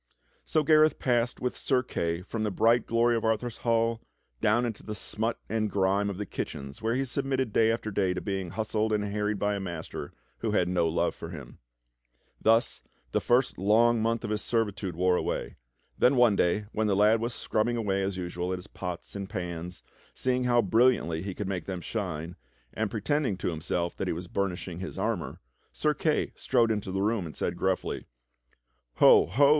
So Gareth passed with Sir Kay from the bright glory of Arthur's hall down into the smut and grime of the kitchens where he submitted day after day to being hustled and harried by a master who had no love* for him. Thus the first long month of his servitude wore away, then one day when the lad was scrubbing away as usual at his pots and ])ans, seeing how brilliantly he could make them shine, and pre 42 THE STORY OF KING ARTHUR tending to himself that he was burnishing his armor, Sir Kay strode into the room and said gruffly: "Ho, ho.